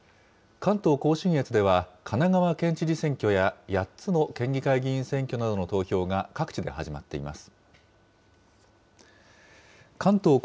関東甲信越では、神奈川県知事選挙や８つの県議会議員選挙などの投票が各地で始まっています。